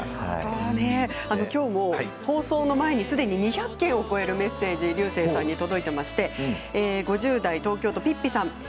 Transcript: きょうも放送を前に２００件を超えるメッセージ竜星さんに届いていまして５０代東京都の方です。